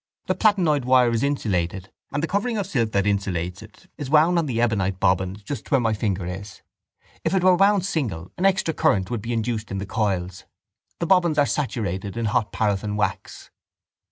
The platinoid wire is insulated and the covering of silk that insulates it is wound on the ebonite bobbins just where my finger is. If it were wound single an extra current would be induced in the coils. The bobbins are saturated in hot paraffin wax...